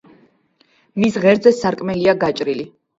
მის ღერძზე სარკმელია გაჭრილი.